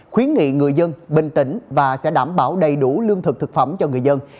khuyến nghị người dân bình tĩnh và sẽ đảm bảo đầy đủ lương thực thực phẩm cho người dân